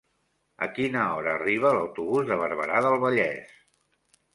A quina hora arriba l'autobús de Barberà del Vallès?